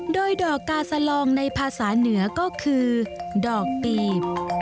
โดยดอกกาสลองในภาษาเหนือก็คือดอกตีบ